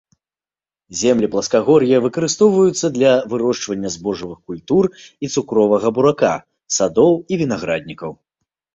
Землі пласкагор'я выкарыстоўваюцца для вырошчвання збожжавых культур і цукровага бурака, садоў і вінаграднікаў.